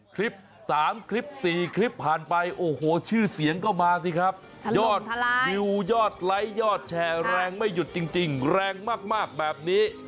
คลิป๓คลิป๔คลิปผ่านไปโอ้โหชื่อเสียงก็มาสิครับยอดวิวยอดไลค์ยอดแชร์แรงไม่หยุดจริงแรงมากแบบนี้